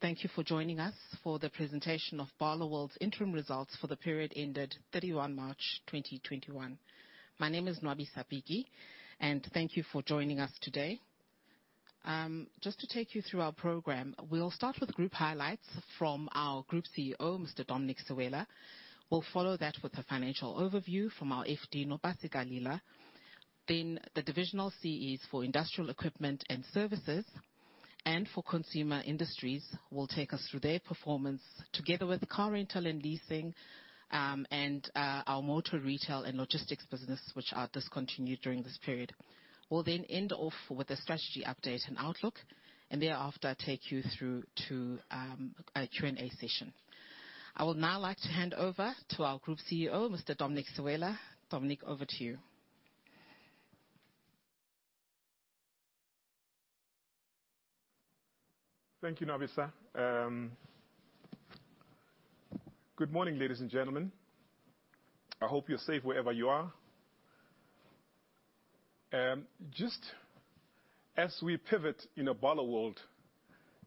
Thank you for joining us for the presentation of Barloworld's interim results for the period ended March 31, 2021. My name is Nwabisa Piki, and thank you for joining us today. Just to take you through our program, we'll start with group highlights from our Group Chief Executive Officer, Mr. Dominic Sewela. We'll follow that with a financial overview from our FD, Nopasika Lila. The Divisional CEs for industrial equipment and services and for consumer industries will take us through their performance together with car rental and leasing, and our motor retail and logistics business, which are discontinued during this period. We'll then end off with a strategy update and outlook, and thereafter take you through to a Q&A session. I would now like to hand over to our Group Chief Executive Officer, Mr. Dominic Sewela. Dominic, over to you. Thank you, Nwabisa. Good morning, ladies and gentlemen. I hope you're safe wherever you are. Just as we pivot in Barloworld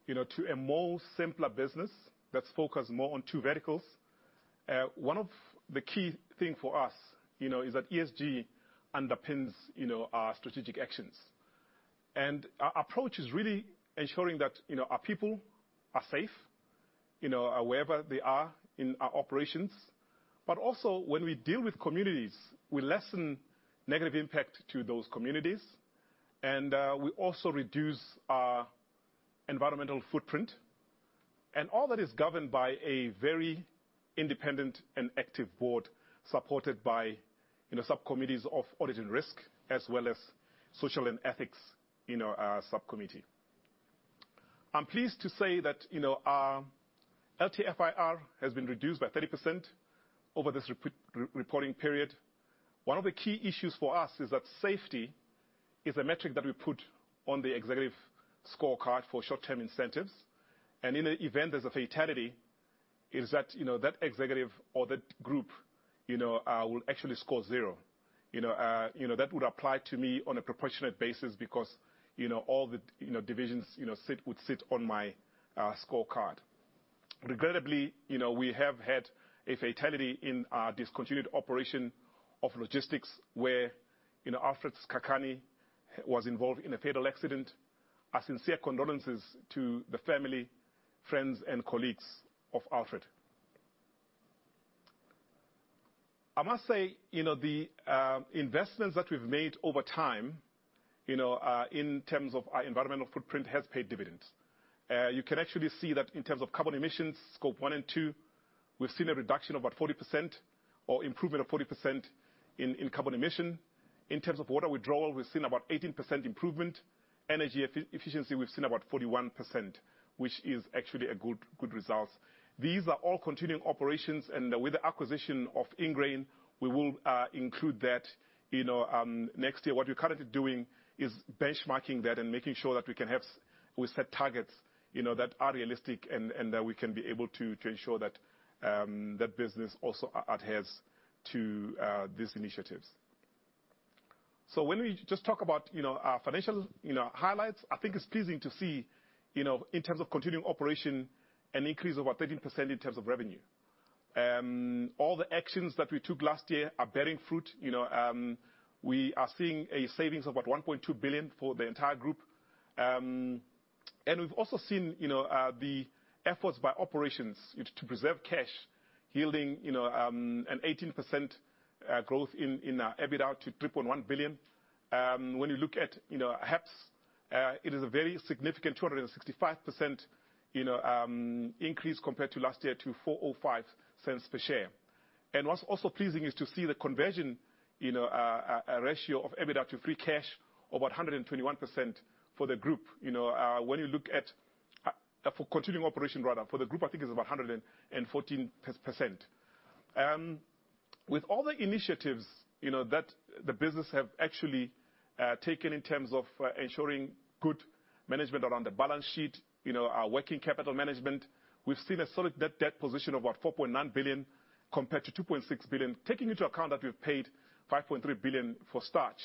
to a more simpler business that's focused more on two verticals, one of the key thing for us, is that ESG underpins our strategic actions. Our approach is really ensuring that our people are safe wherever they are in our operations. Also when we deal with communities, we lessen negative impact to those communities, and we also reduce our environmental footprint. All that is governed by a very independent and active board, supported by subcommittees of audit and risk, as well as social and ethics subcommittee. I'm pleased to say that our LTIFR has been reduced by 30% over this reporting period. One of the key issues for us is that safety is a metric that we put on the executive scorecard for short-term incentives. In the event there's a fatality, that executive or that group will actually score zero. That would apply to me on a proportionate basis because all the divisions would sit on my scorecard. Regrettably, we have had a fatality in our discontinued operation of logistics where Alfred Tsakani was involved in a fatal accident. Our sincere condolences to the family, friends, and colleagues of Alfred. I must say, the investments that we've made over time in terms of our environmental footprint has paid dividends. You can actually see that in terms of carbon emissions, scope one and two, we've seen a reduction of about 40% or improvement of 40% in carbon emission. In terms of water withdrawal, we've seen about 18% improvement. Energy efficiency, we've seen about 41%, which is actually a good result. These are all continuing operations, with the acquisition of Ingrain, we will include that next year. What we're currently doing is benchmarking that and making sure that we can have set targets that are realistic, and that we can be able to ensure that that business also adheres to these initiatives. When we just talk about our financial highlights, I think it's pleasing to see, in terms of continuing operation, an increase of about 13% in terms of revenue. All the actions that we took last year are bearing fruit. We are seeing a savings of about 1.2 billion for the entire group. We've also seen the efforts by operations to preserve cash, yielding an 18% growth in EBITDA to 3.1 billion. When you look at HEPS, it is a very significant 265% increase compared to last year to 4.05 per share. What's also pleasing is to see the conversion ratio of EBITDA to free cash of 121% for the group. When you look at, for continuing operation rather, for the group, I think it's about 114%. With all the initiatives that the business have actually taken in terms of ensuring good management around the balance sheet, our working capital management, we've seen a solid net debt position of about 4.9 billion compared to 2.6 billion, taking into account that we've paid 5.3 billion for starch.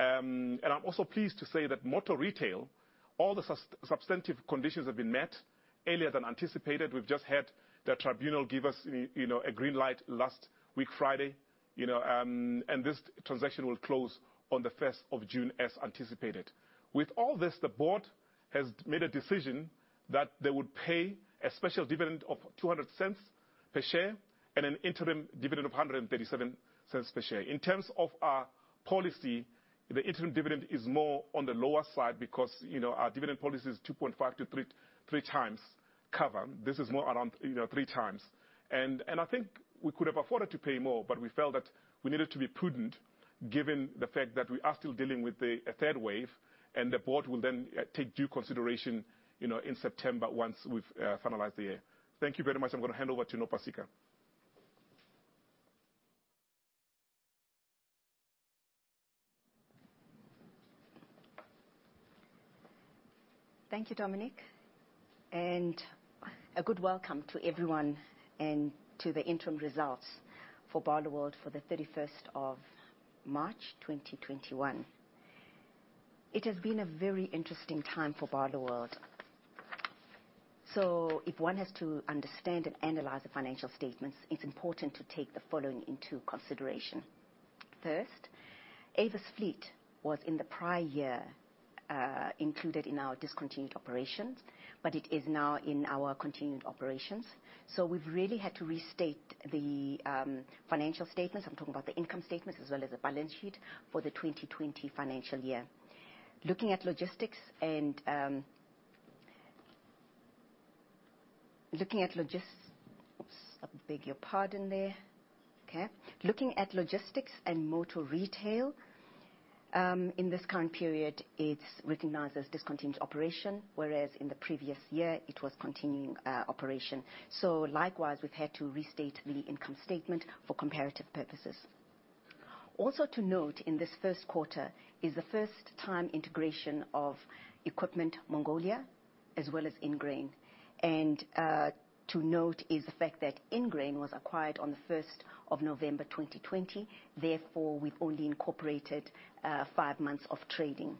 I'm also pleased to say that Motor Retail, all the substantive conditions have been met earlier than anticipated. We've just had the Tribunal give us a green light last week, Friday. This transaction will close on June 1st as anticipated. With all this, the board has made a decision that they would pay a special dividend of 2.00 per share and an interim dividend of 1.37 per share. In terms of our policy, the interim dividend is more on the lower side because our dividend policy is 2.5 times to three times cover. This is more around three times. I think we could have afforded to pay more, but we felt that we needed to be prudent given the fact that we are still dealing with a third wave, the board will then take due consideration in September once we've finalized the year. Thank you very much. I'm going to hand over to Nopasika. Thank you, Dominic, and a good welcome to everyone and to the interim results for Barloworld for the March 31st, 2021. It has been a very interesting time for Barloworld. If one has to understand and analyze the financial statements, it's important to take the following into consideration. First, Avis Fleet was in the prior year included in our discontinued operations, but it is now in our continuing operations. We've really had to restate the financial statements. I'm talking about the income statements as well as the balance sheet for the 2020 financial year. Looking at logistics, oops, I beg your pardon there. Okay. Looking at logistics and motor retail, in this current period, it's recognized as discontinued operation, whereas in the previous year it was continuing operation. Likewise, we've had to restate the income statement for comparative purposes. Also to note, in this first quarter is the first-time integration of Equipment Mongolia, as well as Ingrain, and to note is the fact that Ingrain was acquired on November 1st, 2020, therefore we've only incorporated five months of trading.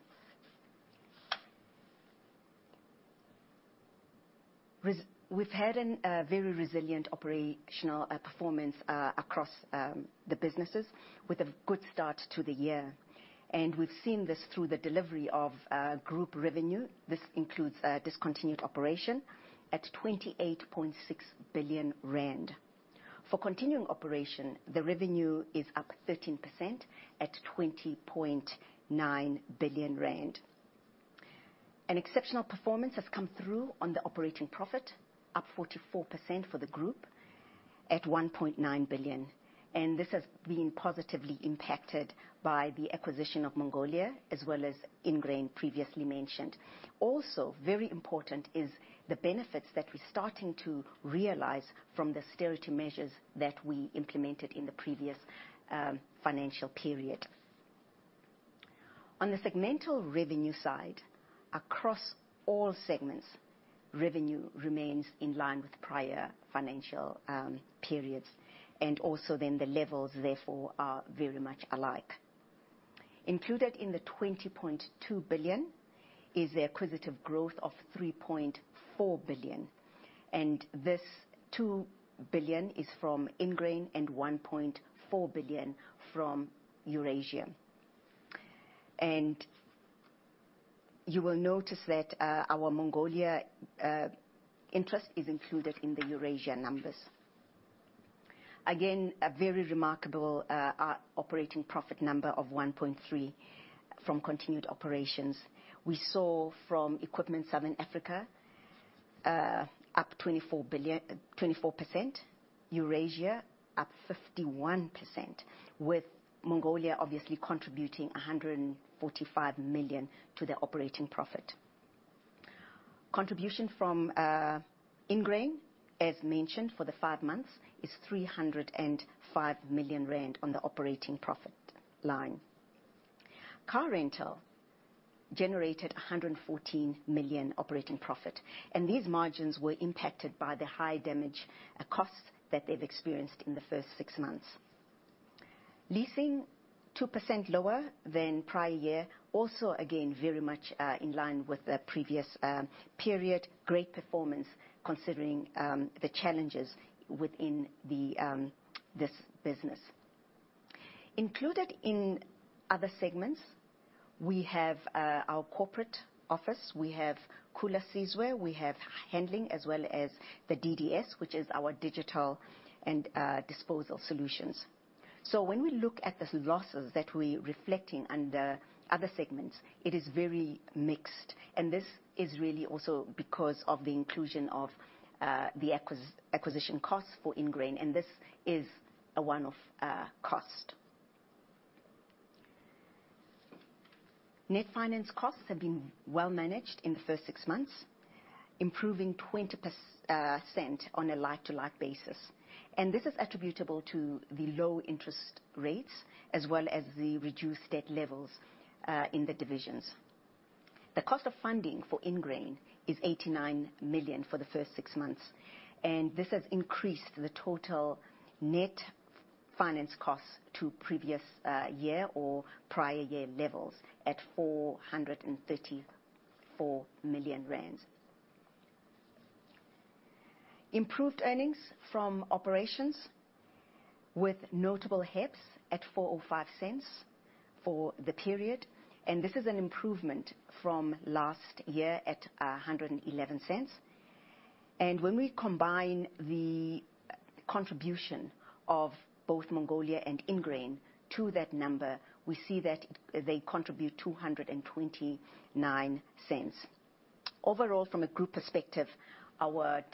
We've had a very resilient operational performance across the businesses with a good start to the year. We've seen this through the delivery of group revenue. This includes discontinued operation at 28.6 billion rand. For continuing operation, the revenue is up 13% at 20.9 billion rand. An exceptional performance has come through on the operating profit, up 44% for the group at 1.9 billion. This has been positively impacted by the acquisition of Mongolia as well as Ingrain, previously mentioned. Also, very important is the benefits that we're starting to realize from the austerity measures that we implemented in the previous financial period. On the segmental revenue side, across all segments, revenue remains in line with prior financial periods also then the levels therefore are very much alike. Included in the 20.2 billion is the acquisitive growth of 3.4 billion, this two billion is from Ingrain and 1.4 billion from Eurasia. You will notice that our Mongolia interest is included in the Eurasia numbers. Again, a very remarkable operating profit number of 1.3 billion from continued operations. We saw from Equipment Southern Africa, up 24%, Eurasia up 51%, with Mongolia obviously contributing 145 million to the operating profit. Contribution from Ingrain, as mentioned for the five months, is 305 million rand on the operating profit line. Car rental generated 114 million operating profit, these margins were impacted by the high damage costs that they've experienced in the first six months. Leasing, 2% lower than prior year. Also, again, very much in line with the previous period. Great performance considering the challenges within this business. Included in other segments, we have our corporate office, we have Khula Sizwe, we have Handling, as well as the DDS, which is our digital and disposal solutions. When we look at the losses that we're reflecting under other segments, it is very mixed. This is really also because of the inclusion of the acquisition cost for Ingrain, and this is a one-off cost. Net finance costs have been well managed in the first six months, improving 20% on a like-to-like basis. This is attributable to the low interest rates as well as the reduced debt levels in the divisions. The cost of funding for Ingrain is 89 million for the first six months. This has increased the total net finance cost to previous year or prior year levels at 434 million rand. Improved earnings from operations with notable HEPS at 4.05 for the period. This is an improvement from last year at 1.11. When we combine the contribution of both Mongolia and Ingrain to that number, we see that they contribute 2.29. Overall, from a group perspective, our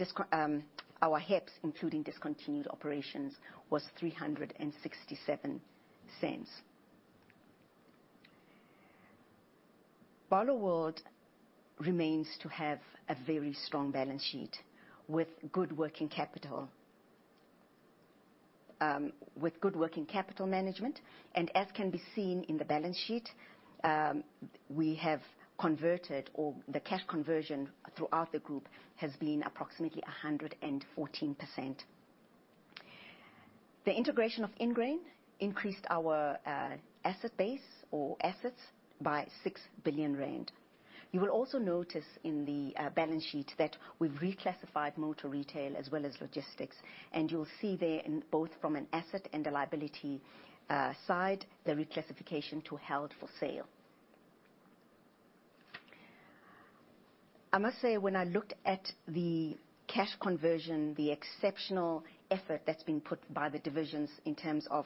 HEPS, including discontinued operations, was ZAR 3.67. Barloworld remains to have a very strong balance sheet with good working capital management. As can be seen in the balance sheet, we have converted, or the cash conversion throughout the group has been approximately 114%. The integration of Ingrain increased our asset base or assets by 6 billion rand. You will also notice in the balance sheet that we've reclassified Motor Retail as well as Logistics, and you'll see there both from an asset and a liability side, the reclassification to held for sale. I must say, when I look at the cash conversion, the exceptional effort that's been put by the divisions in terms of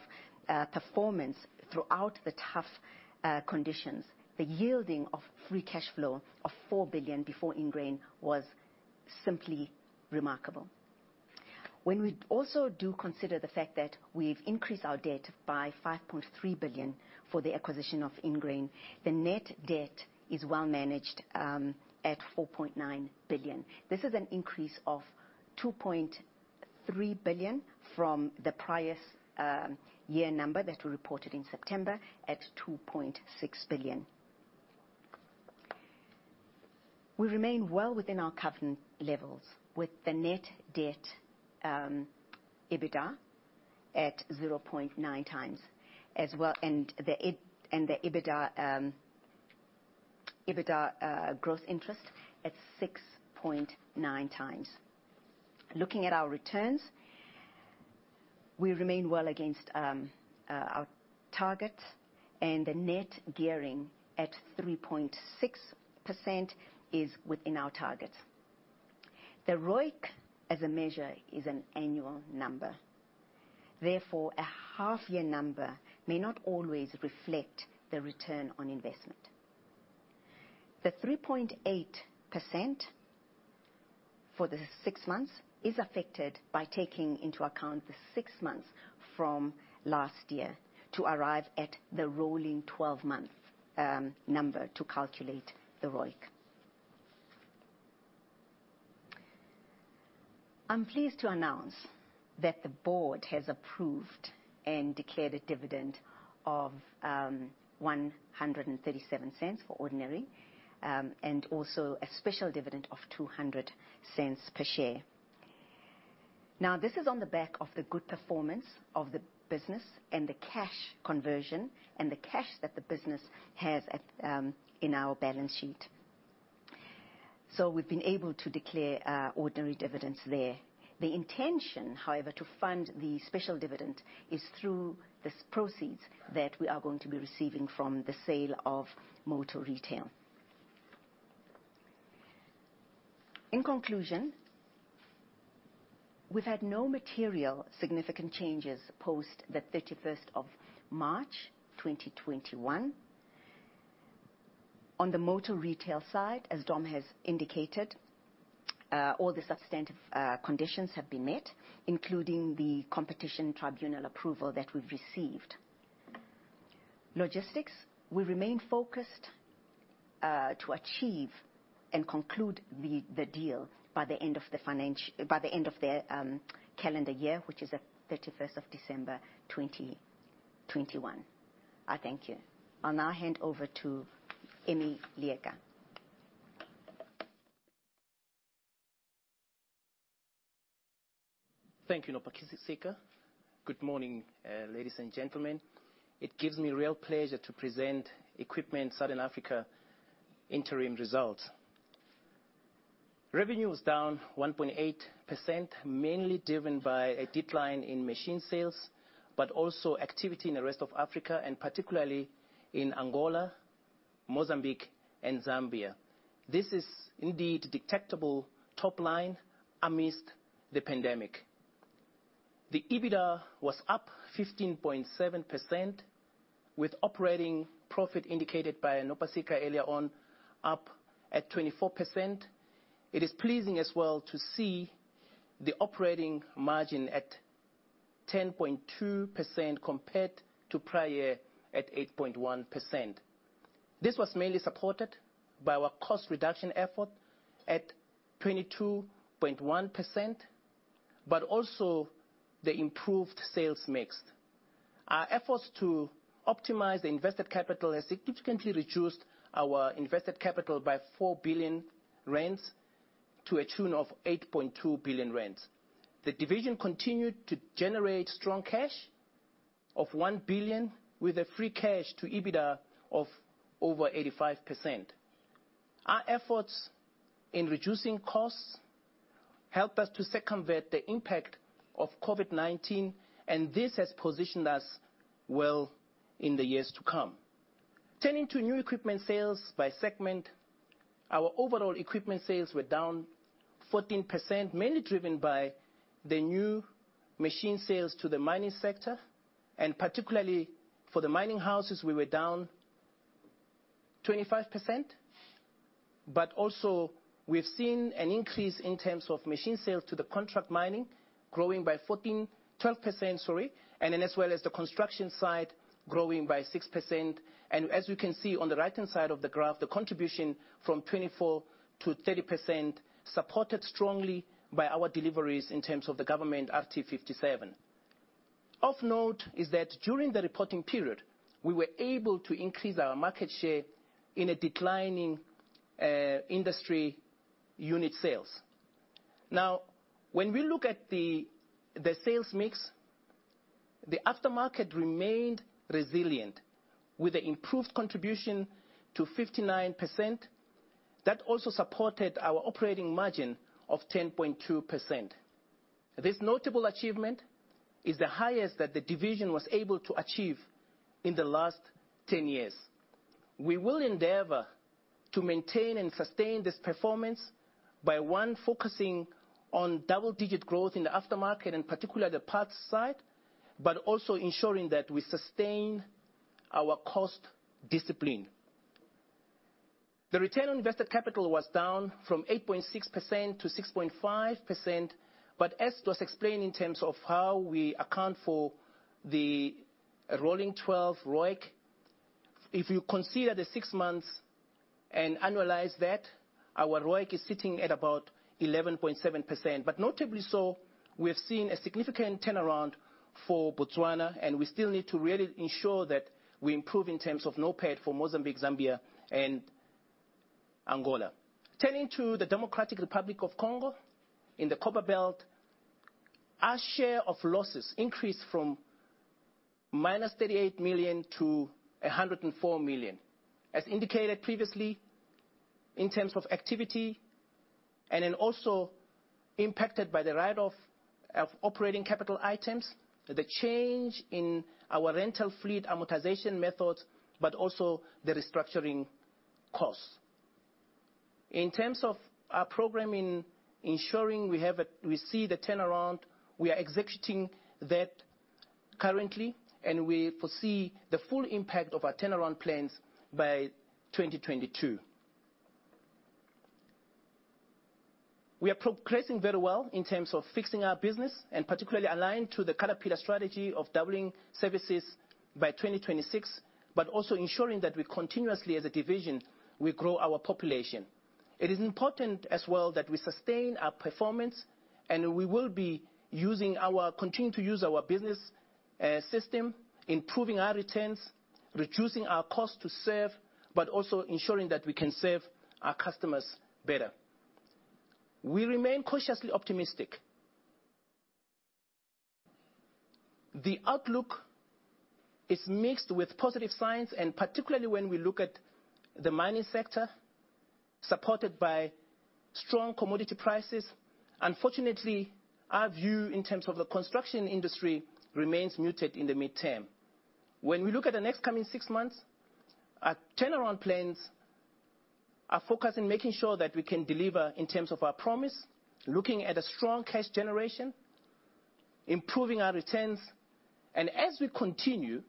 performance throughout the tough conditions, the yielding of free cash flow of 4 billion before Ingrain was simply remarkable. When we also do consider the fact that we've increased our debt by 5.3 billion for the acquisition of Ingrain, the net debt is well managed at 4.9 billion. This is an increase of 2.3 billion from the prior year number that we reported in September at 2.6 billion. We remain well within our covenant levels with the net debt, EBITDA at 0.9x as well, and the EBITDA gross interest at 6.9x. Looking at our returns, we remain well against our targets and the net gearing at 3.6% is within our target. The ROIC as a measure is an annual number, therefore, a half year number may not always reflect the return on investment. The 3.8% for the six months is affected by taking into account the six months from last year to arrive at the rolling 12-month number to calculate the ROIC. I'm pleased to announce that the board has approved and declared a dividend of 1.37 for ordinary, and also a special dividend of 2.00 per share. This is on the back of the good performance of the business and the cash conversion and the cash that the business has in our balance sheet. We've been able to declare ordinary dividends there. The intention, however, to fund the special dividend is through these proceeds that we are going to be receiving from the sale of Motor Retail. In conclusion, we've had no material significant changes post March 31st, 2021. On the Motor Retail side, as Dom has indicated, all the substantive conditions have been met, including the Competition Tribunal approval that we've received. Logistics, we remain focused to achieve and conclude the deal by the end of the calendar year, which is December 31st, 2021. I thank you. I'll now hand over to Emmy Leeka. Thank you, Nopasika. Good morning, ladies and gentlemen. It gives me real pleasure to present Equipment Southern Africa interim results. Revenue was down 1.8%, mainly driven by a decline in machine sales, but also activity in the rest of Africa, and particularly in Angola, Mozambique and Zambia. This is indeed detectable top line amidst the pandemic. The EBITDA was up 15.7%, with operating profit indicated by Nopasika earlier on up at 24%. It is pleasing as well to see the operating margin at 10.2% compared to prior at 8.1%. This was mainly supported by our cost reduction effort at 22.1%, but also the improved sales mix. Our efforts to optimize the invested capital has significantly reduced our invested capital by 4 billion rand to a tune of 8.2 billion rand. The division continued to generate strong cash of 1 billion with a free cash to EBITDA of over 85%. Our efforts in reducing costs help us to circumvent the impact of COVID-19, and this has positioned us well in the years to come. Turning to new equipment sales by segment. Our overall equipment sales were down 14%, mainly driven by the new machine sales to the mining sector, and particularly for the mining houses, we were down 25%. Also we've seen an increase in terms of machine sales to the contract mining, growing by 12%, and as well as the construction side growing by 6%. As you can see on the right-hand side of the graph, the contribution from 24% to 30%, supported strongly by our deliveries in terms of the government RT57. Of note is that during the reporting period, we were able to increase our market share in a declining industry unit sales. When we look at the sales mix, the aftermarket remained resilient with an improved contribution to 59% that also supported our operating margin of 10.2%. This notable achievement is the highest that the division was able to achieve in the last 10 years. We will endeavor to maintain and sustain this performance by one, focusing on double-digit growth in aftermarket, in particular the parts side, but also ensuring that we sustain our cost discipline. The return on invested capital was down from 8.6% to 6.5%. As was explained in terms of how we account for the rolling 12 ROIC, if you consider the six months and annualize that, our ROIC is sitting at about 11.7%. Notably so, we have seen a significant turnaround for Botswana, and we still need to really ensure that we improve in terms of NOPAT for Mozambique, Zambia, and Angola. Turning to the Democratic Republic of Congo in the Copperbelt, our share of losses increased from -38 million to 104 million. As indicated previously, in terms of activity, also impacted by the write-off of operating capital items, the change in our rental fleet amortization methods, also the restructuring costs. In terms of our program in ensuring we see the turnaround, we are executing that currently. We foresee the full impact of our turnaround plans by 2022. We are progressing very well in terms of fixing our business particularly aligned to the Caterpillar strategy of doubling services by 2026, also ensuring that we continuously as a division, we grow our population. It is important as well that we sustain our performance, we will be continuing to use our business system, improving our returns, reducing our cost to serve, but also ensuring that we can serve our customers better. We remain cautiously optimistic. The outlook is mixed with positive signs, particularly when we look at the mining sector, supported by strong commodity prices. Unfortunately, our view in terms of the construction industry remains muted in the midterm. When we look at the next coming six months, our turnaround plans are focused on making sure that we can deliver in terms of our promise, looking at a strong cash generation, improving our returns, and as we continue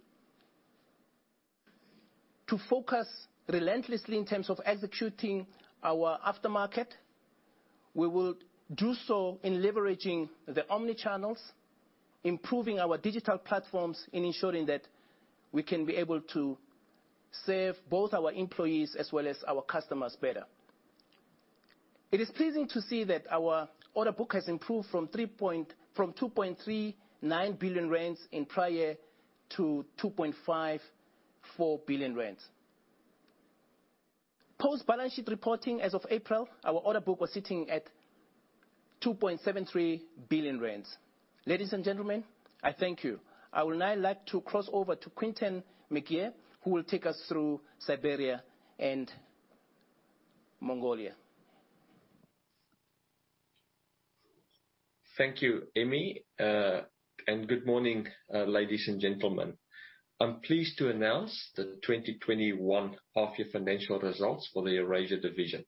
to focus relentlessly in terms of executing our aftermarket, we will do so in leveraging the omnichannels, improving our digital platforms, and ensuring that we can be able to serve both our employees as well as our customers better. It is pleasing to see that our order book has improved from 2.39 billion rand in prior to 2.54 billion rand. Post-balance sheet reporting as of April, our order book was sitting at 2.73 billion rand. Ladies and gentlemen, I thank you. I would now like to cross over to Quinton McGeer, who will take us through Siberia and Mongolia. Thank you, Emmy. Good morning, ladies and gentlemen. I'm pleased to announce the 2021 half year financial results for the Eurasia division.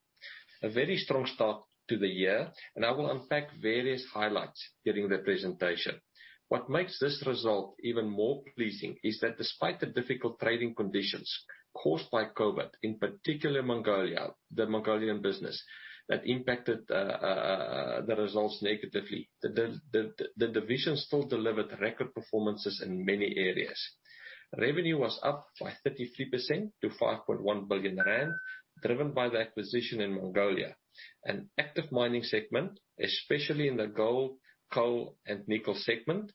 A very strong start to the year. I will unpack various highlights during the presentation. What makes this result even more pleasing is that despite the difficult trading conditions caused by COVID, in particular Mongolia, the Mongolian business that impacted the results negatively, the division still delivered record performances in many areas. Revenue was up by 33% to 5.1 billion rand, driven by the acquisition in Mongolia, an active mining segment, especially in the gold, coal, and nickel segment.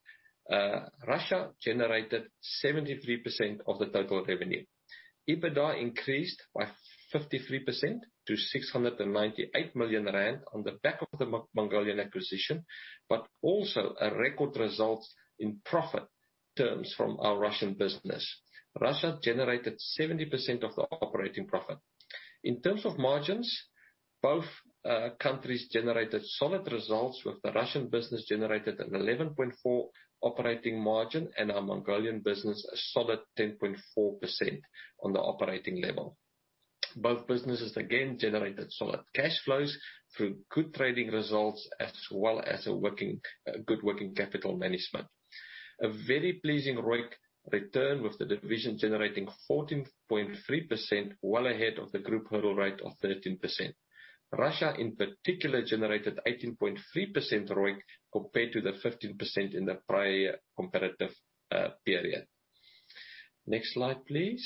Russia generated 73% of the total revenue. EBITDA increased by 53% to 698 million rand on the back of the Mongolian acquisition, but also a record result in profit terms from our Russian business. Russia generated 70% of the operating profit. In terms of margins, both countries generated solid results with the Russian business generated an 11.4% operating margin and our Mongolian business a solid 10.4% on the operating level. Both businesses again generated solid cash flows through good trading results as well as good working capital management. A very pleasing ROIC return with the division generating 14.3% well ahead of the group hurdle rate of 13%. Russia, in particular, generated 18.3% ROIC compared to the 15% in the prior comparative period. Next slide, please.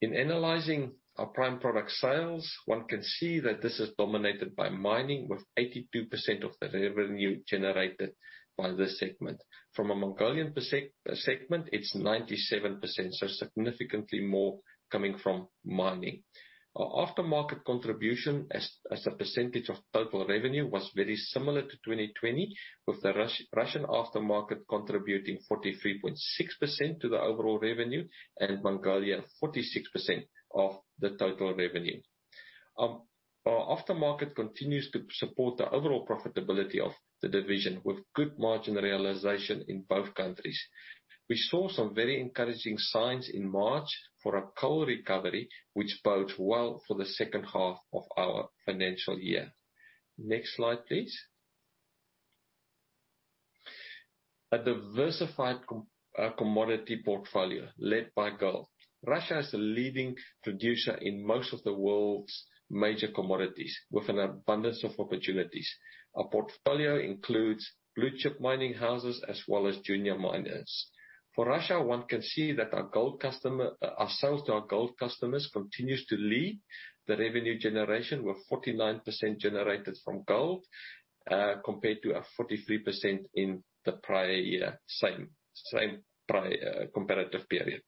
In analyzing our prime product sales, one can see that this is dominated by mining, with 82% of the revenue generated by this segment. From a Mongolian segment, it's 97%, so significantly more coming from mining. Our aftermarket contribution as a percentage of total revenue was very similar to 2020, with the Russian aftermarket contributing 43.6% to the overall revenue and Mongolia 46% of the total revenue. Our aftermarket continues to support the overall profitability of the division with good margin realization in both countries. We saw some very encouraging signs in March for a coal recovery, which bodes well for the second half of our financial year. Next slide, please. A diversified commodity portfolio led by gold. Russia is a leading producer in most of the world's major commodities with an abundance of opportunities. Our portfolio includes blue-chip mining houses as well as junior miners. For Russia, one can see that our sales to our gold customers continues to lead the revenue generation with 49% generated from gold, compared to our 43% in the prior year, same comparative period.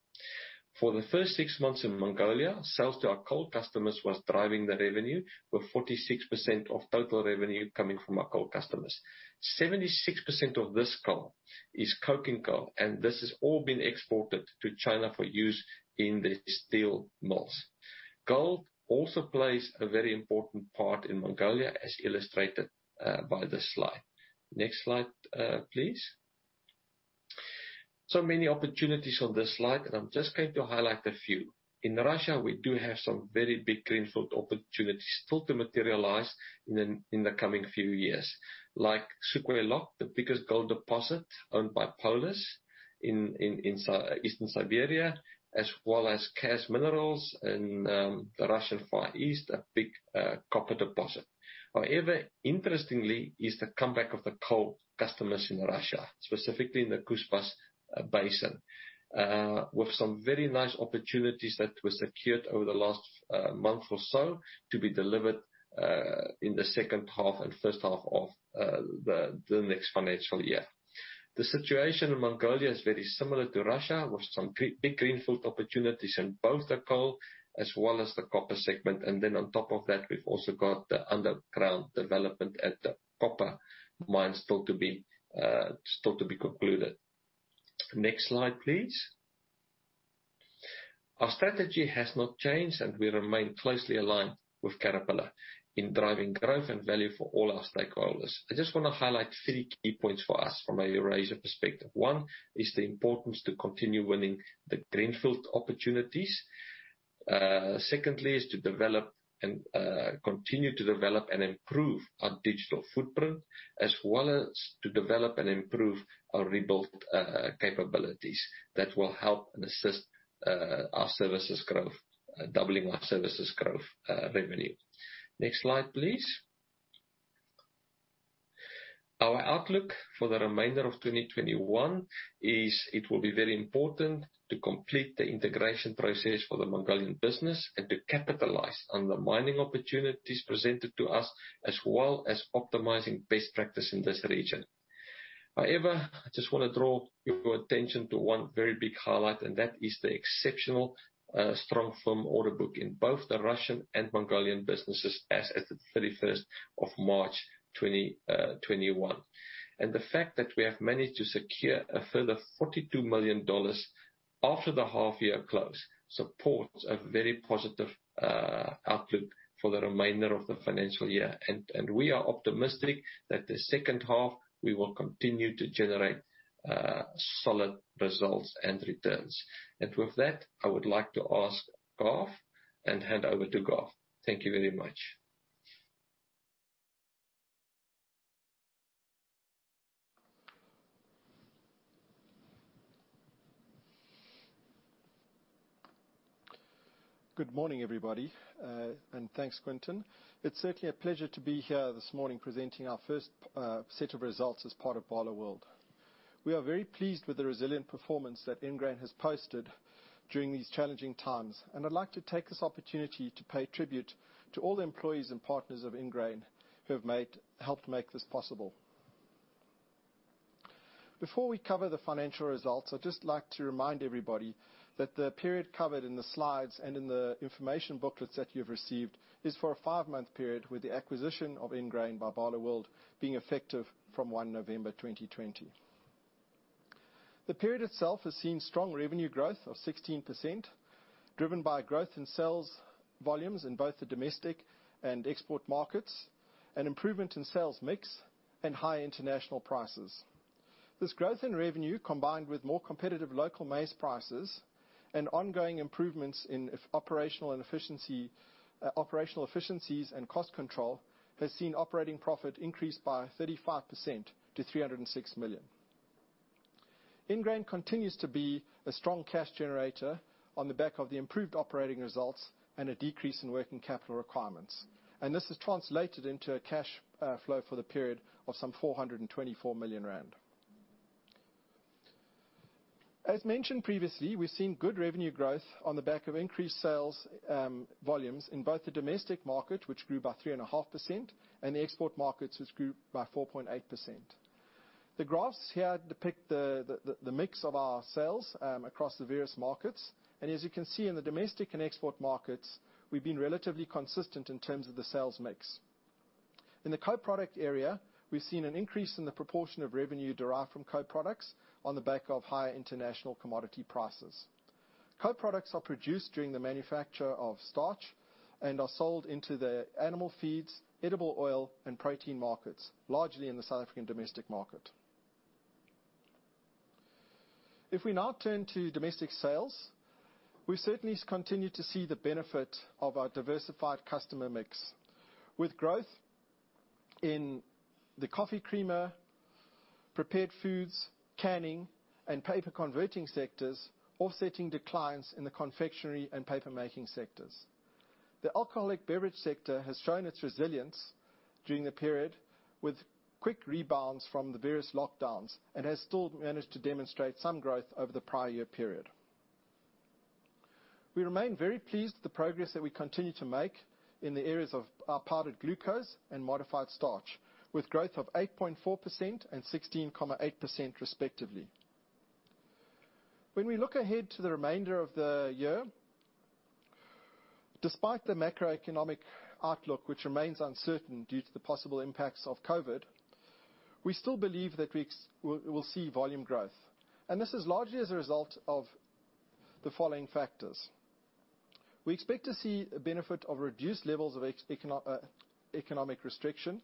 For the first six months in Mongolia, sales to our coal customers was driving the revenue, with 46% of total revenue coming from our coal customers. 76% of this coal is coking coal, this has all been exported to China for use in their steel mills. Gold also plays a very important part in Mongolia, as illustrated by this slide. Next slide, please. Many opportunities on this slide, I'm just going to highlight a few. In Russia, we do have some very big greenfield opportunities still to materialize in the coming few years. Like Sukhoi Log, the biggest gold deposit owned by Polyus in Eastern Siberia, as well as KAZ Minerals in the Russian Far East, a big copper deposit. However, interestingly, is the comeback of the coal customers in Russia, specifically in the Kuzbass Basin, with some very nice opportunities that were secured over the last month or so to be delivered in the second half and first half of the next financial year. The situation in Mongolia is very similar to Russia, with some big greenfield opportunities in both the coal as well as the copper segment. On top of that, we've also got the underground development at the copper mine still to be concluded. Next slide, please. Our strategy has not changed, and we remain closely aligned with Caterpillar in driving growth and value for all our stakeholders. I just want to highlight three key points for us from a Eurasia perspective. One is the importance to continue winning the greenfield opportunities. Secondly, is to continue to develop and improve our digital footprint, as well as to develop and improve our rebuilt capabilities that will help and assist our services growth, doubling our services growth revenue. Next slide, please. Our outlook for the remainder of 2021 is it will be very important to complete the integration process for the Mongolian business and to capitalize on the mining opportunities presented to us, as well as optimizing best practice in this region. However, I just want to draw your attention to one very big highlight, and that is the exceptional strong firm order book in both the Russian and Mongolian businesses as at the 31st of March 2021. The fact that we have managed to secure a further $42 million after the half year close supports a very positive outlook for the remainder of the financial year. We are optimistic that the second half, we will continue to generate solid results and returns. With that, I would like to ask Garth and hand over to Garth. Thank you very much. Good morning, everybody, and thanks, Quinton. It's certainly a pleasure to be here this morning presenting our first set of results as part of Barloworld. We are very pleased with the resilient performance that Ingrain has posted during these challenging times, and I'd like to take this opportunity to pay tribute to all the employees and partners of Ingrain who have helped make this possible. Before we cover the financial results, I'd just like to remind everybody that the period covered in the slides and in the information booklets that you've received is for a five-month period, with the acquisition of Ingrain by Barloworld being effective from November 1, 2020. The period itself has seen strong revenue growth of 16%, driven by growth in sales volumes in both the domestic and export markets, an improvement in sales mix, and high international prices. This growth in revenue, combined with more competitive local maize prices and ongoing improvements in operational efficiencies and cost control, has seen operating profit increase by 35% to 306 million. Ingrain continues to be a strong cash generator on the back of the improved operating results and a decrease in working capital requirements. This has translated into a cash flow for the period of some 424 million rand. As mentioned previously, we're seeing good revenue growth on the back of increased sales volumes in both the domestic market, which grew by 3.5%, and the export markets, which grew by 4.8%. The graphs here depict the mix of our sales across the various markets. As you can see in the domestic and export markets, we've been relatively consistent in terms of the sales mix. In the co-product area, we've seen an increase in the proportion of revenue derived from co-products on the back of high international commodity prices. Co-products are produced during the manufacture of starch and are sold into the animal feeds, edible oil, and protein markets, largely in the South African domestic market. If we now turn to domestic sales, we certainly continue to see the benefit of our diversified customer mix with growth in the coffee creamer, prepared foods, canning, and paper converting sectors offsetting declines in the confectionery and paper making sectors. The alcoholic beverage sector has shown its resilience during the period with quick rebounds from the various lockdowns and has still managed to demonstrate some growth over the prior year period. We remain very pleased with the progress that we continue to make in the areas of powdered glucose and modified starch, with growth of 8.4% and 16.8% respectively. When we look ahead to the remainder of the year, despite the macroeconomic outlook, which remains uncertain due to the possible impacts of COVID, we still believe that we will see volume growth, and this is largely as a result of the following factors. We expect to see a benefit of reduced levels of economic restriction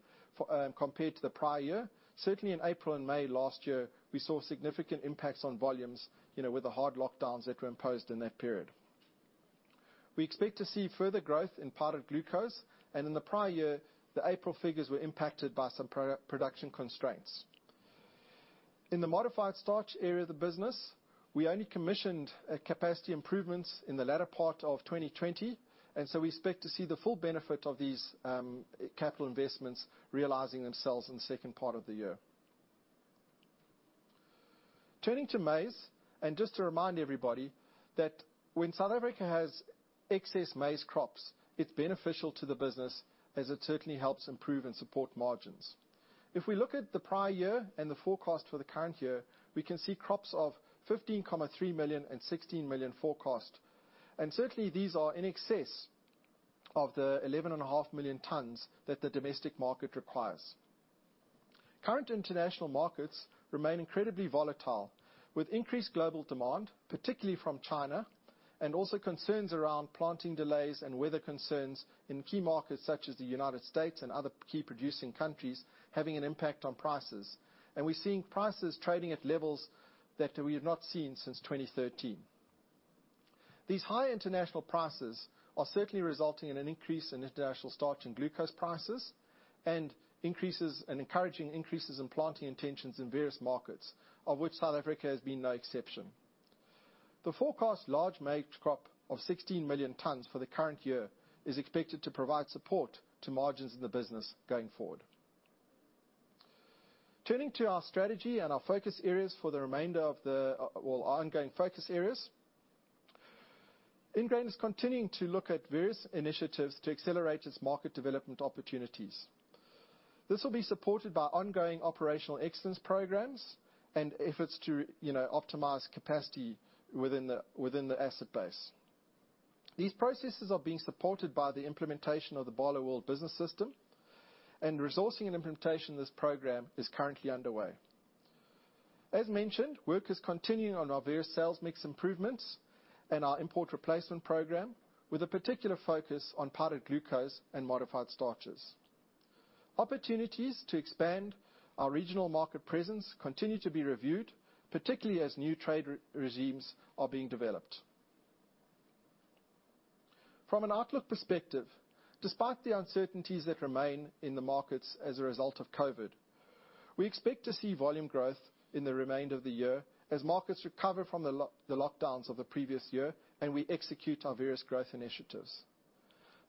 compared to the prior year. Certainly in April and May last year, we saw significant impacts on volumes, with the hard lockdowns that were imposed in that period. We expect to see further growth in powdered glucose, and in the prior year, the April figures were impacted by some production constraints. In the modified starch area of the business, we only commissioned capacity improvements in the latter part of 2020. We expect to see the full benefit of these capital investments realizing themselves in the second part of the year. Turning to maize, just to remind everybody that when South Africa has excess maize crops, it's beneficial to the business as it certainly helps improve and support margins. If we look at the prior year and the forecast for the current year, we can see crops of 15.3 million and 16 million forecast. Certainly these are in excess of the 11.5 million tons that the domestic market requires. Current international markets remain incredibly volatile, with increased global demand, particularly from China, and also concerns around planting delays and weather concerns in key markets such as the United States and other key producing countries having an impact on prices. We're seeing prices trading at levels that we have not seen since 2013. These high international prices are certainly resulting in an increase in international starch and glucose prices and encouraging increases in planting intentions in various markets, of which South Africa has been no exception. The forecast large maize crop of 16 million tons for the current year is expected to provide support to margins in the business going forward. Turning to our strategy and our focus areas for the well, ongoing focus areas. Ingrain is continuing to look at various initiatives to accelerate its market development opportunities. This will be supported by ongoing operational excellence programs and efforts to optimize capacity within the asset base. These processes are being supported by the implementation of the Barloworld Business System, and resourcing and implementation of this program is currently underway. As mentioned, work is continuing on our various sales mix improvements and our import replacement program, with a particular focus on powdered glucose and modified starches. Opportunities to expand our regional market presence continue to be reviewed, particularly as new trade regimes are being developed. From an outlook perspective, despite the uncertainties that remain in the markets as a result of COVID, we expect to see volume growth in the remainder of the year as markets recover from the lockdowns of the previous year and we execute our various growth initiatives.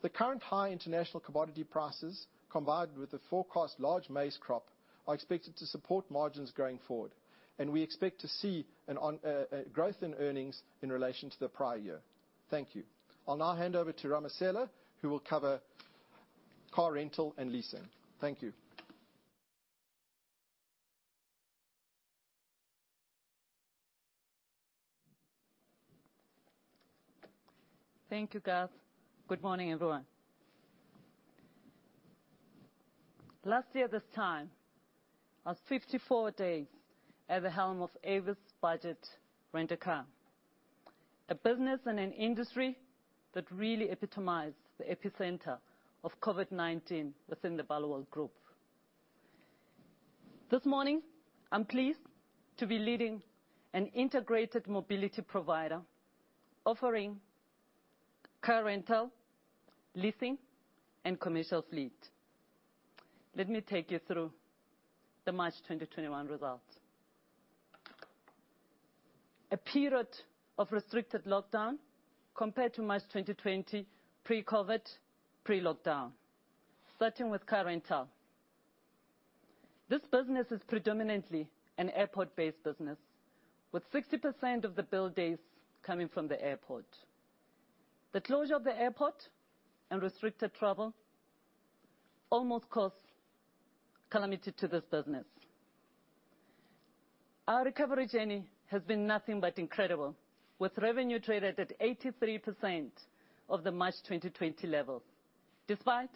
The current high international commodity prices, combined with the forecast large maize crop, are expected to support margins going forward, and we expect to see a growth in earnings in relation to the prior year. Thank you. I will now hand over to Ramasela who will cover car rental and leasing. Thank you. Thank you, Garth. Good morning, everyone. Last year this time, I was 54 days at the helm of Avis Budget Rent a Car, a business and an industry that really epitomized the epicenter of COVID-19 within the Barloworld Group. This morning, I am pleased to be leading an integrated mobility provider offering car rental, leasing, and commercial fleet. Let me take you through the March 2021 results. A period of restricted lockdown compared to March 2020, pre-COVID, pre-lockdown. Starting with car rental. This business is predominantly an airport-based business, with 60% of the bill days coming from the airport. The closure of the airport and restricted travel almost caused calamity to this business. Our recovery journey has been nothing but incredible, with revenue traded at 83% of the March 2020 levels, despite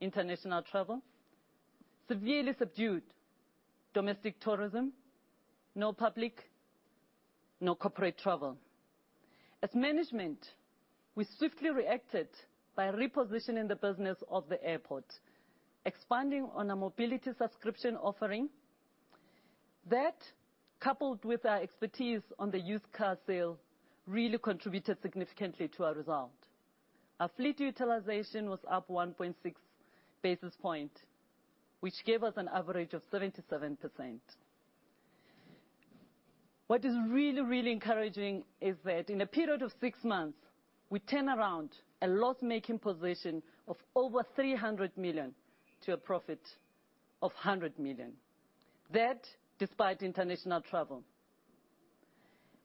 international travel severely subdued domestic tourism, no public, no corporate travel. As management, we swiftly reacted by repositioning the business of the airport, expanding on a mobility subscription offering. That, coupled with our expertise on the used car sales, really contributed significantly to our result. Our fleet utilization was up 1.6 basis point, which gave us an average of 37%. What is really encouraging is that in a period of six months, we turned around a loss-making position of over 300 million to a profit of 100 million. That, despite international travel.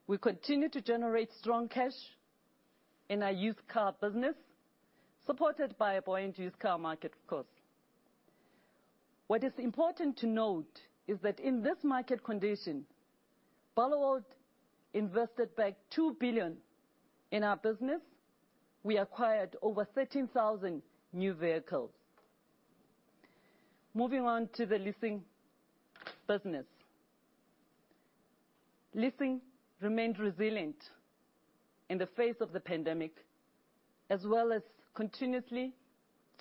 We continue to generate strong cash in our used car business, supported by a buoyant used car market, of course. What is important to note is that in this market condition, Barloworld invested back 2 billion in our business. We acquired over 13,000 new vehicles. Moving on to the leasing business. Leasing remained resilient in the face of the pandemic, as well as continuously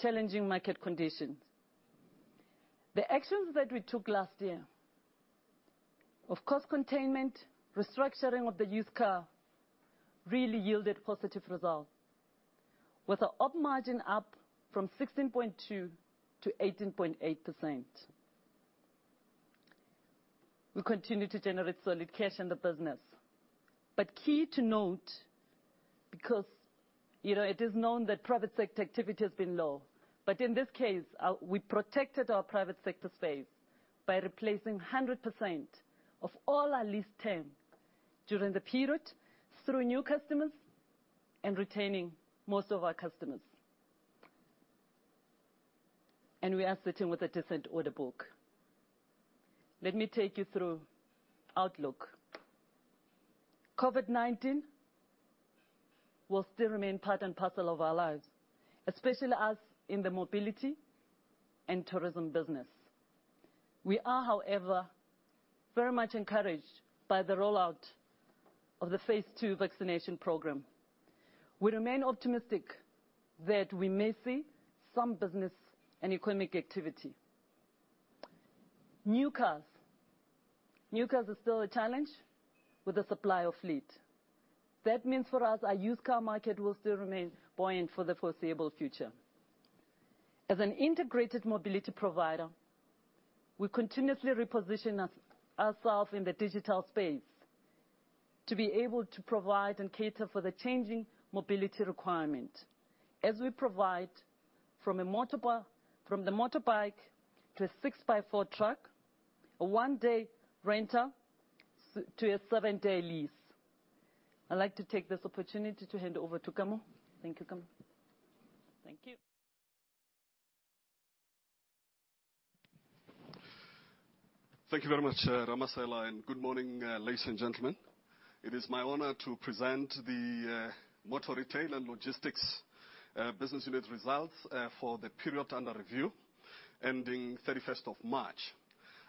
challenging market conditions. The actions that we took last year of cost containment, restructuring of the used car, really yielded positive results, with our op margin up from 16.2% to 18.8%. We continue to generate solid cash in the business. Key to note, because it is known that private sector activity has been low, but in this case, we protected our private sector space by replacing 100% of all our lease term during the period through new customers and retaining most of our customers. We are sitting with a decent order book. Let me take you through outlook. COVID-19 will still remain part and parcel of our lives, especially us in the mobility and tourism business. We are, however, very much encouraged by the rollout of the phase II vaccination program. We remain optimistic that we may see some business and economic activity. New cars. New cars are still a challenge with the supply of fleet. That means for us, our used car market will still remain buoyant for the foreseeable future. As an integrated mobility provider, we continuously reposition ourselves in the digital space to be able to provide and cater for the changing mobility requirement. As we provide from the motorbike to 6x4 truck, a one-day rental to a seven-day lease. I'd like to take this opportunity to hand over to Kamo. Thank you, Kamo. Thank you. Thank you very much, Ramasela, and good morning, ladies and gentlemen. It is my honor to present the motor retail and logistics business unit results for the period under review, ending March 31st.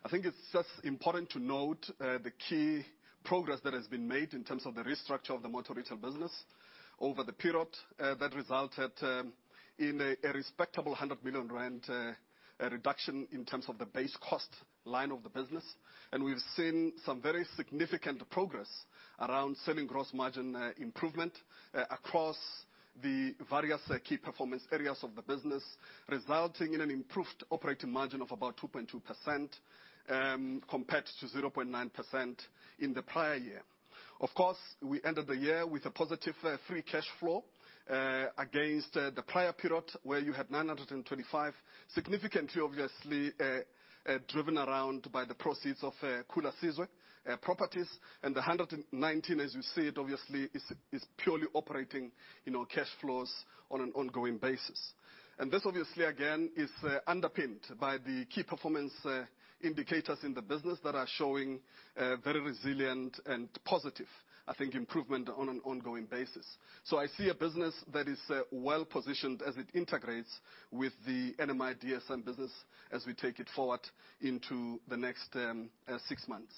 I think it's just important to note the key progress that has been made in terms of the restructure of the motor retail business over the period that resulted in a respectable 100 million rand reduction in terms of the base cost line of the business. We've seen some very significant progress around selling gross margin improvement across the various key performance areas of the business, resulting in an improved operating margin of about 2.2% compared to 0.9% in the prior year. Of course, we ended the year with a positive free cash flow against the prior period where you had 925, significantly, obviously, driven around by the proceeds of Khula Sizwe properties. The 119, as you said, obviously, is purely operating cash flows on an ongoing basis. This obviously, again, is underpinned by the key performance indicators in the business that are showing very resilient and positive, I think, improvement on an ongoing basis. I see a business that is well positioned as it integrates with the NMI-DSM business as we take it forward into the next six months.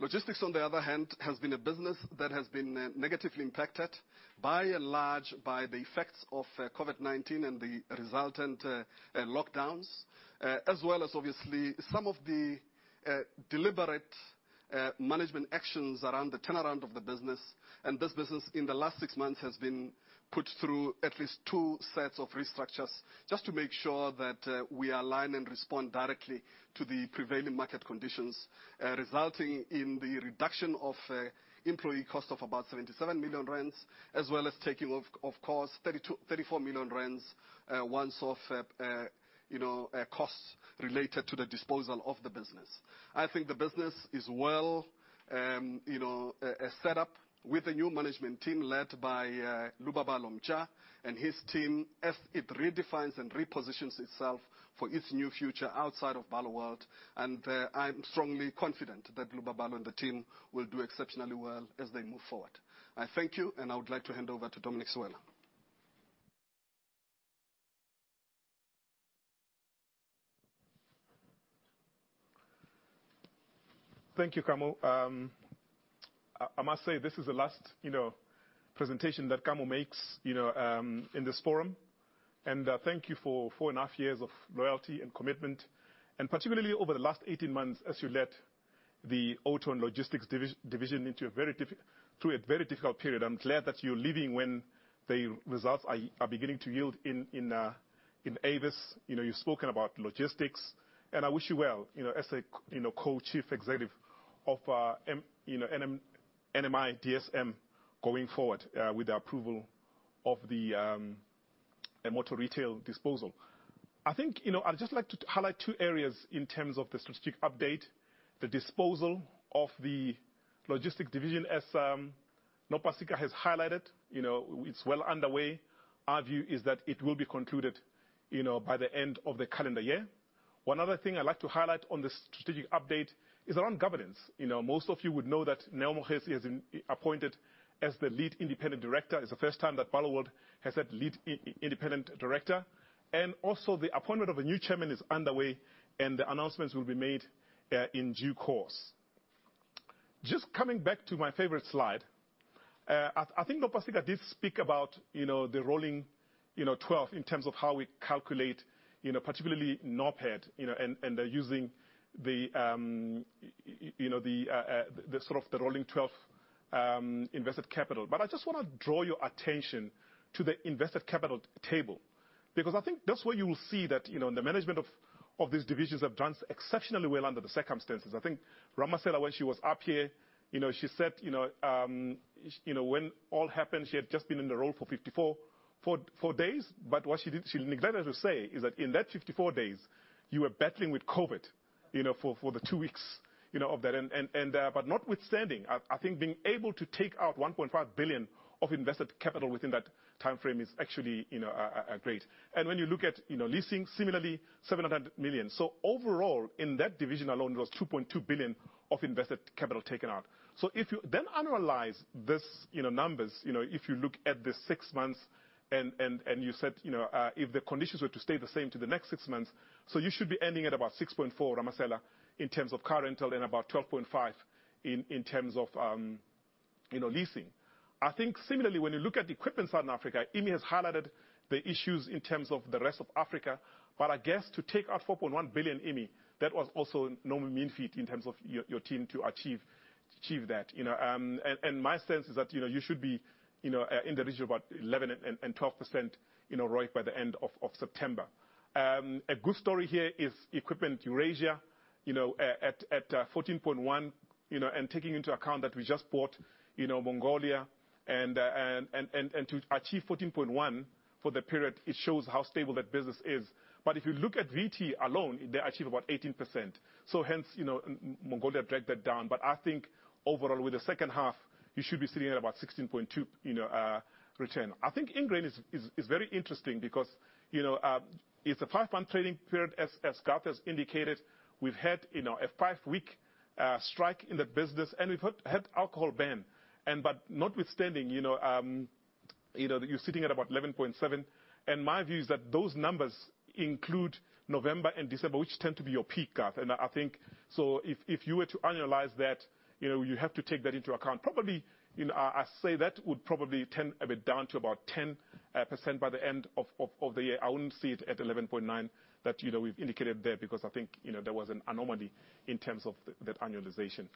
Logistics, on the other hand, has been a business that has been negatively impacted by and large by the effects of COVID-19 and the resultant lockdowns, as well as obviously some of the deliberate Management actions around the turnaround of the business. This business in the last six months has been put through at least two sets of restructures just to make sure that we align and respond directly to the prevailing market conditions, resulting in the reduction of employee cost of about 37 million rand, as well as taking, of course, 34 million rand once-off costs related to the disposal of the business. I think the business is well set up with a new management team led by Lubabalo Mtya and his team as it redefines and repositions itself for its new future outside of Barloworld. I'm strongly confident that Lubabalo and the team will do exceptionally well as they move forward. I thank you, and I would like to hand over to Dominic Sewela. Thank you, Kamo. I must say, this is the last presentation that Kamo makes in this forum, and thank you for four and a half years of loyalty and commitment, and particularly over the last 18 months as you led the Auto and Logistics division through a very difficult period. I'm glad that you're leaving when the results are beginning to yield in Avis. You've spoken about logistics, and I wish you well as a co-chief executive of NMI-DSM going forward with the approval of the Motor Retail disposal. I think I'd just like to highlight two areas in terms of the strategic update. The disposal of the logistics division, as Nopasika has highlighted, is well underway. Our view is that it will be concluded by the end of the calendar year. One other thing I'd like to highlight on the strategic update is around governance. Most of you would know that Neo Mokhesi has been appointed as the Lead Independent Director. It's the first time that Barloworld has had Lead Independent Director. Also the appointment of a new Chairman is underway, and the announcements will be made in due course. Just coming back to my favorite slide. I think Nopasika did speak about the rolling 12 in terms of how we calculate, particularly NOPAT, and using the sort of the rolling 12 invested capital. I just want to draw your attention to the invested capital table, because I think that's where you will see that the management of these divisions have done exceptionally well under the circumstances. I think Ramasela, when she was up here, she said when it all happened, she had just been in the role for 54 days. What she didn't elaborate to say is that in that 54 days, you were battling with COVID for the two weeks of that. Notwithstanding, I think being able to take out 1.5 billion of invested capital within that timeframe is actually great. When you look at leasing, similarly, 700 million. Overall, in that division alone, there was 2.2 billion of invested capital taken out. If you then annualize these numbers, if you look at the six months and you said if the conditions were to stay the same to the next six months, you should be ending at about 6.4 billion, Ramasela, in terms of car rental and about 12.5 billion in terms of leasing. I think similarly, when you look at Equipment Southern Africa, Emmy has highlighted the issues in terms of the rest of Africa. I guess to take out 4.1 billion, Emmy, that was also no mean feat in terms of your team to achieve that. My sense is that you should be in the region of about 11% and 12% right by the end of September. A good story here is Equipment Eurasia at 14.1%, and taking into account that we just bought Mongolia, and to achieve 14.1% for the period, it shows how stable that business is. If you look at VT alone, they're actually about 18%. Hence, Mongolia dragged that down. I think overall, with the second half, you should be seeing about 16.2% return. I think Ingrain is very interesting because it's a five-month trading period, as Garth has indicated. We've had a five-week strike in the business, and we've had alcohol ban. Notwithstanding, you're sitting at about 11.7%, and my view is that those numbers include November and December, which tend to be your peak, Garth. I think, if you were to annualize that, you have to take that into account. Probably, I say that would probably tend a bit down to about 10% by the end of the year. I wouldn't see it at 11.9% that we've indicated there, because I think there was an anomaly in terms of that annualization.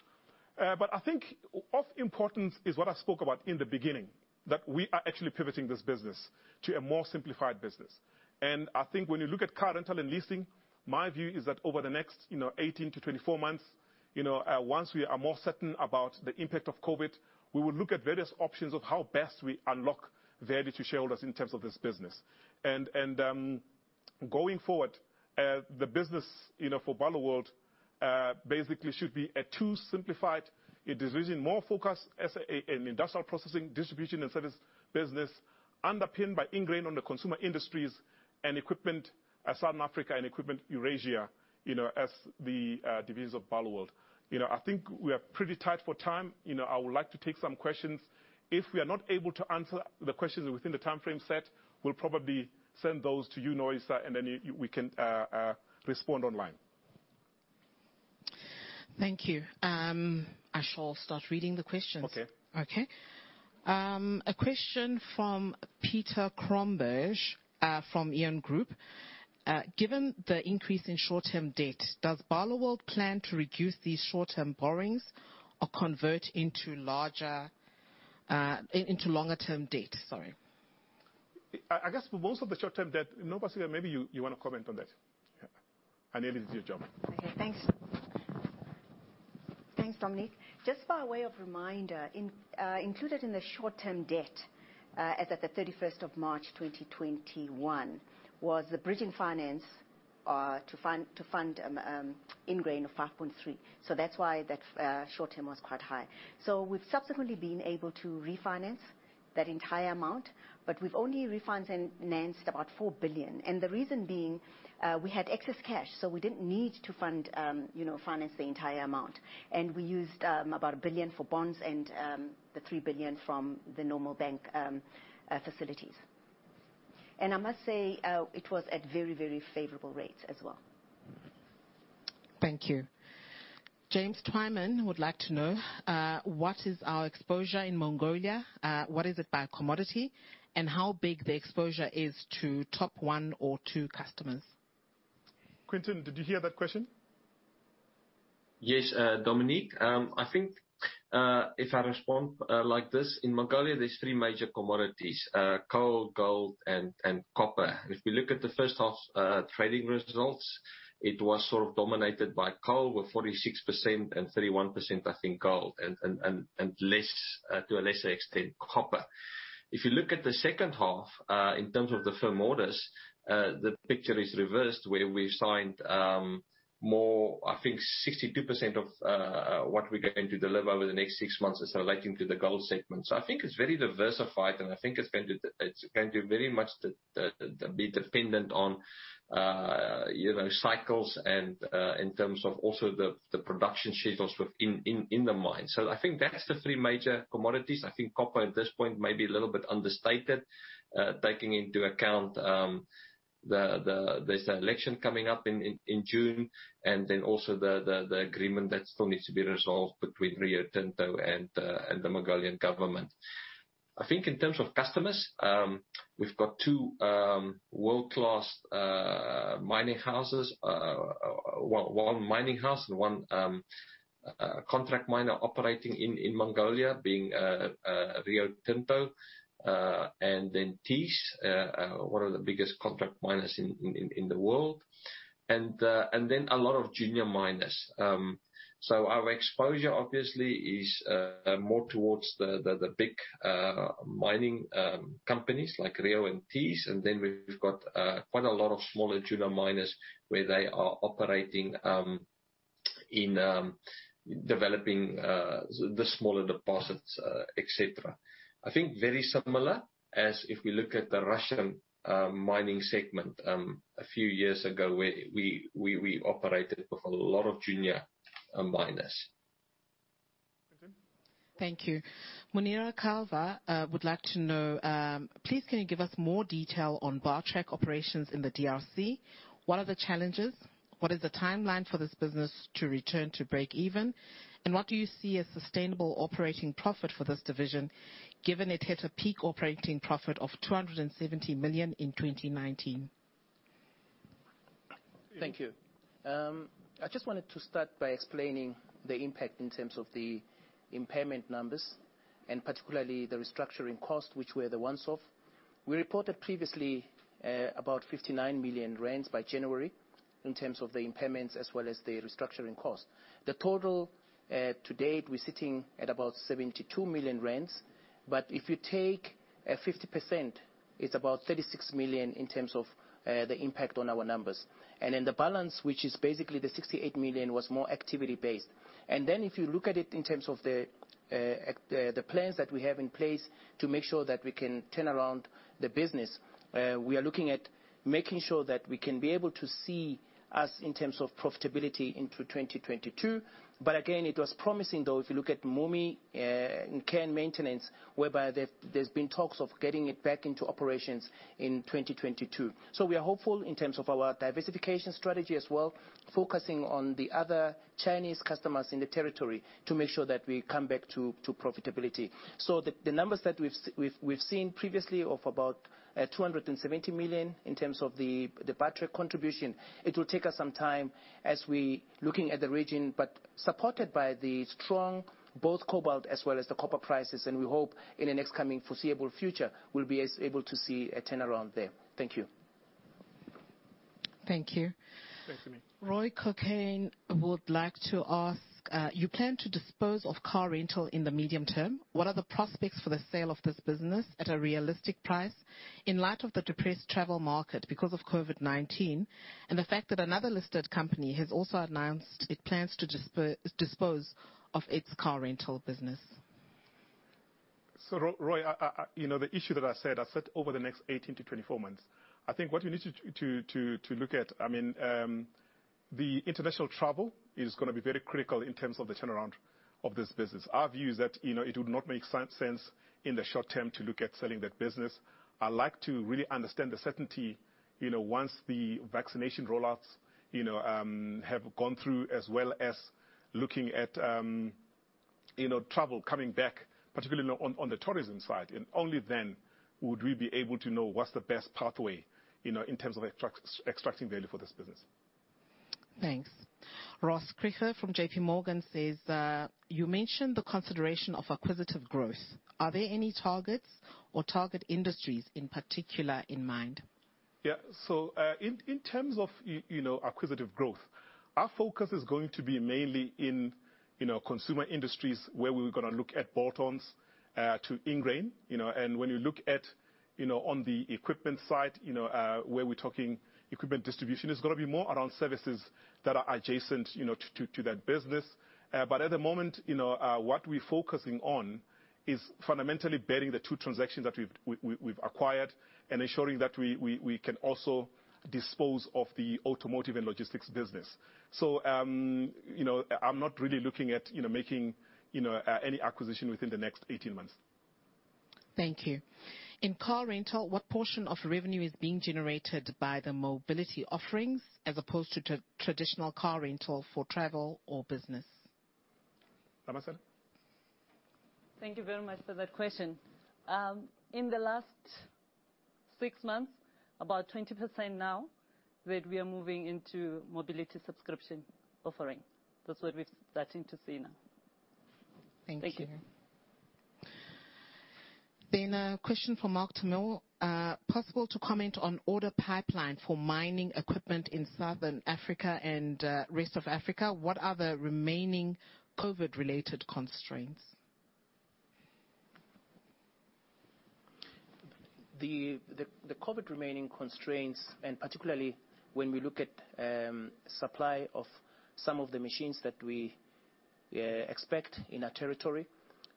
I think of importance is what I spoke about in the beginning, that we are actually pivoting this business to a more simplified business. I think when you look at car rental and leasing, my view is that over the next 18 to 24 months, once we are more certain about the impact of COVID, we will look at various options of how best we unlock value to shareholders in terms of this business. Going forward, the business for Barloworld basically should be a too simplified. It is using more focus as an industrial processing, distribution, and service business underpinned by Ingrain on the consumer industries and Equipment Southern Africa and Equipment Eurasia as the divisions of Barloworld. We are pretty tight for time. I would like to take some questions. If we are not able to answer the questions within the timeframe set, we'll probably send those to you, Nwabisa, and then we can respond online. Thank you. I shall start reading the questions. Okay. Okay. A question from Peter Kromberg from IAN Group. Given the increase in short-term debt, does Barloworld plan to reduce these short-term borrowings or convert into longer-term debt? Sorry. I guess for most of the short-term debt, Nopasika, maybe you want to comment on that. Yeah. Then it's Nopasika. Okay, thanks. Thanks, Dominic. Just by way of reminder, included in the short-term debt, as at March 31st, 2021, was the bridging finance to fund Ingrain of 5.3 billion. That's why that short-term was quite high. We've subsequently been able to refinance that entire amount, but we've only refinanced about 4 billion. The reason being, we had excess cash, so we didn't need to finance the entire amount. We used about 1 billion for bonds and the 3 billion from the normal bank facilities. I must say, it was at very, very favorable rates as well. Thank you. James Twyman would like to know what is our exposure in Mongolia, what is it by commodity, and how big the exposure is to top one or two customers. Quinton, did you hear that question? Yes, Dominic. I think if I respond like this, in Mongolia, there's three major commodities, coal, gold, and copper. If you look at the first half trading results, it was sort of dominated by coal with 46% and 31%, I think gold, and to a lesser extent, copper. If you look at the second half, in terms of the firm orders, the picture is reversed, where we signed more, I think 62% of what we're going to deliver over the next six months is relating to the gold segment. I think it's very diversified, and I think it's going to very much be dependent on cycles and in terms of also the production schedules within the mine. I think that's the three major commodities. I think copper at this point may be a little bit understated, taking into account there's an election coming up in June. Also the agreement that still needs to be resolved between Rio Tinto and the Mongolian government. I think in terms of customers, we've got two world-class mining houses. One mining house, one contract miner operating in Mongolia, being Rio Tinto. Thiess, one of the biggest contract miners in the world. A lot of junior miners. Our exposure obviously is more towards the big mining companies like Rio and Thiess, we've got quite a lot of smaller junior miners where they are operating in developing the smaller deposits, et cetera. I think very similar as if we look at the Russian mining segment a few years ago, where we operated with a lot of junior miners. Thank you. Munira Calva would like to know, please can you give us more detail on Bartrac operations in the DRC? What are the challenges? What is the timeline for this business to return to breakeven? What do you see a sustainable operating profit for this division, given it hit a peak operating profit of 270 million in 2019? Thank you. I just wanted to start by explaining the impact in terms of the impairment numbers, and particularly the restructuring costs, which were the once off. We reported previously about 59 million rand by January in terms of the impairments as well as the restructuring costs. The total to date, we're sitting at about 72 million rand. If you take 50%, it's about 36 million in terms of the impact on our numbers. The balance, which is basically the 68 million, was more activity-based. If you look at it in terms of the plans that we have in place to make sure that we can turn around the business, we are looking at making sure that we can be able to see us in terms of profitability into 2022. Again, it was promising, though, if you look at MUMI in care and maintenance, whereby there's been talks of getting it back into operations in 2022. We are hopeful in terms of our diversification strategy as well, focusing on the other Chinese customers in the territory to make sure that we come back to profitability. The numbers that we've seen previously of about 270 million in terms of the Bartrac contribution, it will take us some time as we looking at the region, but supported by the strong both cobalt as well as the copper prices, and we hope in the next coming foreseeable future, we'll be as able to see a turnaround there. Thank you. Thank you. Thanks, Emmy. Roy Cokayne would like to ask, you plan to dispose of car rental in the medium term. What are the prospects for the sale of this business at a realistic price in light of the depressed travel market because of COVID-19, and the fact that another listed company has also announced it plans to dispose of its car rental business? Roy, the issue that I said over the next 18 to 24 months. I think what you need to look at, the international travel is going to be very critical in terms of the turnaround of this business. Our view is that it would not make sense in the short term to look at selling that business. I like to really understand the certainty, once the vaccination rollouts have gone through, as well as looking at. Travel coming back, particularly on the tourism side, and only then would we be able to know what's the best pathway, in terms of extracting value for this business. Thanks. Ross Krige from JPMorgan says, "You mentioned the consideration of acquisitive growth. Are there any targets or target industries in particular in mind? In terms of acquisitive growth, our focus is going to be mainly in consumer industries where we're going to look at add-ons to Ingrain. When you look at on the equipment side, where we're talking equipment distribution, it's going to be more around services that are adjacent to that business. At the moment, what we're focusing on is fundamentally bearing the two transactions that we've acquired and ensuring that we can also dispose of the Automotive and Logistics business. I'm not really looking at making any acquisition within the next 18 months. Thank you. In car rental, what portion of revenue is being generated by the mobility offerings as opposed to traditional car rental for travel or business? Ramasela? Thank you very much for that question. In the last six months, about 20% now that we are moving into mobility subscription offering. That's what we're starting to see now. Thank you. Thank you. A question from Mark Tunall. Possible to comment on order pipeline for mining equipment in Southern Africa and rest of Africa? What are the remaining COVID-related constraints? The COVID remaining constraints, particularly when we look at supply of some of the machines that we expect in our territory,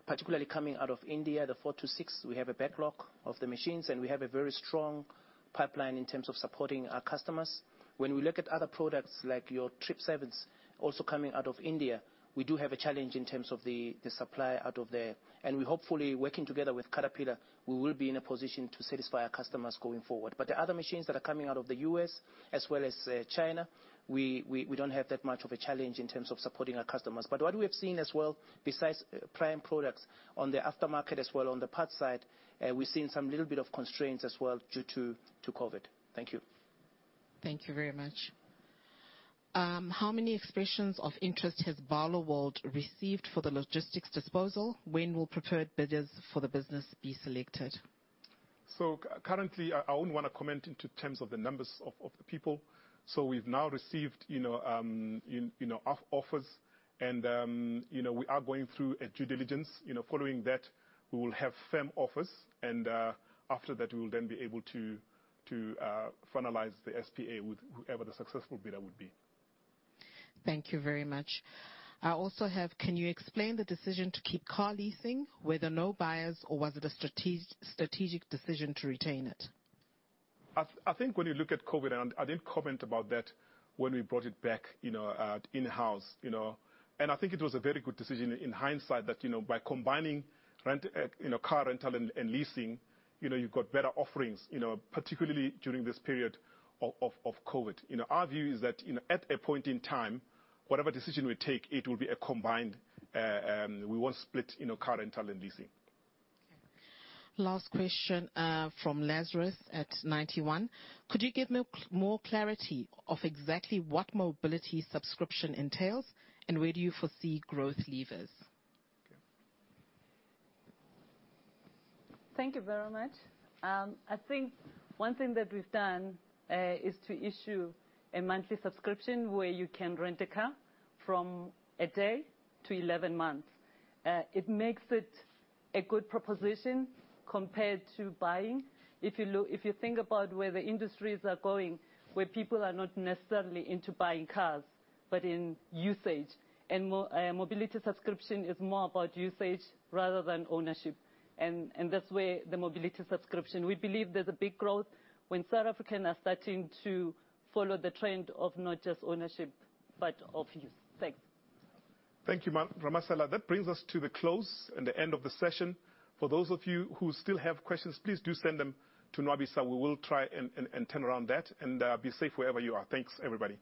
particularly coming out of India, the 426, we have a backlog of the machines, and we have a very strong pipeline in terms of supporting our customers. When we look at other products like your trip [service] also coming out of India, we do have a challenge in terms of the supply out of there. We hopefully, working together with Caterpillar, we will be in a position to satisfy our customers going forward. Other machines that are coming out of the U.S. as well as China, we don't have that much of a challenge in terms of supporting our customers. What we have seen as well, besides prime products on the aftermarket, as well on the parts side, we're seeing some little bit of constraints as well due to COVID. Thank you. Thank you very much. How many expressions of interest has Barloworld received for the logistics disposal? When will preferred bidders for the business be selected? Currently, I wouldn't want to comment in terms of the numbers of the people. We've now received offers, and we are going through a due diligence. Following that, we will have firm offers, and after that, we will then be able to finalize the SPA with whoever the successful bidder would be. Thank you very much. I also have, can you explain the decision to keep car leasing? Were there no buyers, or was it a strategic decision to retain it? I think when you look at COVID, I did comment about that when we brought it back in-house. I think it was a very good decision in hindsight that, by combining car rental and leasing, you've got better offerings, particularly during this period of COVID. Our view is that, at a point in time, whatever decision we take, it will be a combined, we won't split car rental and leasing. Last question, from Lazarus at Ninety One. Could you give more clarity of exactly what mobility subscription entails, and where do you foresee growth levers? Thank you very much. I think one thing that we've done is to issue a monthly subscription where you can rent a car from a day to 11 months. It makes it a good proposition compared to buying. If you think about where the industries are going, where people are not necessarily into buying cars, but in usage, and mobility subscription is more about usage rather than ownership, and that's where the mobility subscription. We believe there's a big growth when South African are starting to follow the trend of not just ownership, but of use. Thank you. Thank you, Ramasela. That brings us to the close and the end of the session. For those of you who still have questions, please do send them to Nwabisa, so we will try and turn around that, and be safe wherever you are. Thanks, everybody.